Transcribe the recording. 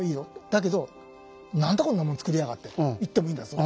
だけど「何だこんなもんつくりやがって」と言ってもいいんだぞと。